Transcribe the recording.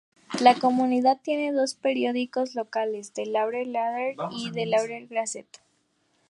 La comunidad tiene dos periódicos locales: "The Laurel Leader" y "The Laurel Gazette".